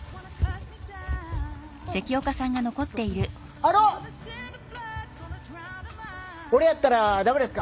あの俺やったらダメですか。